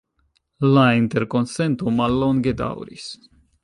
La interkonsento mallonge daŭris.